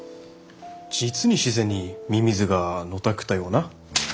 実に自然にミミズがのたくったような。